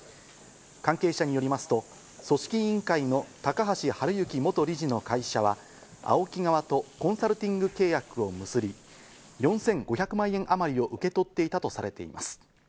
関係者によりますと組織委員会の高橋治之元理事の会社は、ＡＯＫＩ側とコンサルティング契約を結び、４５００万円あまりを受け取っていたとされています。